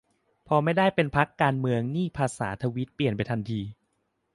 พอไม่ได้เป็นพรรคการเมืองนี่ภาษาทวีตเปลี่ยนไปทันที